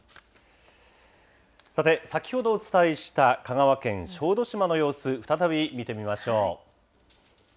さて、先ほどお伝えした、香川県小豆島の様子、再び見てみましょう。